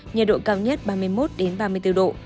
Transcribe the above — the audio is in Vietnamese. nhiệt độ cao nhất ba mươi một ba mươi bốn độ